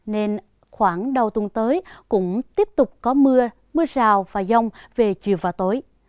nên khoảng đầu tuần tới cũng tiếp tục có mưa mưa rào và giông về chiều và tối